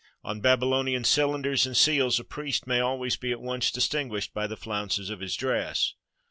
On Babylonian cylinders and seals a priest may always be at once distinguished by the flounces of his dress.